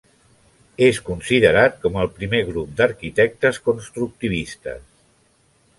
És considerat com el primer grup d'arquitectes constructivistes.